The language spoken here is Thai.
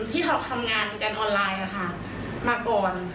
ที่เขาทำงานกันออนไลน์มาก่อน